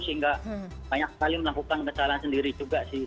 sehingga banyak sekali melakukan kesalahan sendiri juga sih